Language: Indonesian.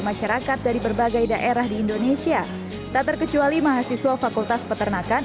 masyarakat dari berbagai daerah di indonesia tak terkecuali mahasiswa fakultas peternakan